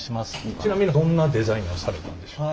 ちなみにどんなデザインをされたんでしょう？